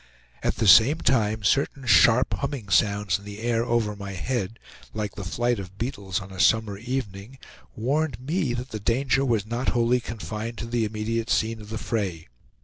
At the same time certain sharp, humming sounds in the air over my head, like the flight of beetles on a summer evening, warned me that the danger was not wholly confined to the immediate scene of the fray.